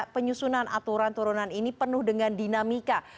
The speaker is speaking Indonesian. penyusunan aturan turunan ini penuh dengan dinamika